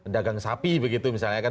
dagang sapi begitu misalnya kan